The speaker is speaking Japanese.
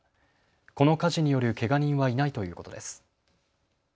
この火事によるけが人はいないということです。